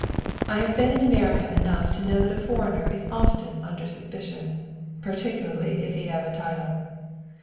I have been in America enough to know that a foreigner is often under suspicion particularly if he have a title!